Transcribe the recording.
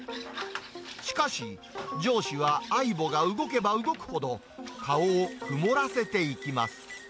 しかし、上司はＡＩＢＯが動けば動くほど、顔を曇らせていきます。